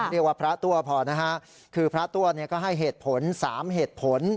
เรียกว่าพระตัวพอนะฮะคือพระตัวเนี่ยก็ให้เหตุผล๓เหตุผล